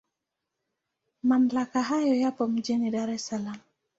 Mamlaka haya yapo mjini Dar es Salaam.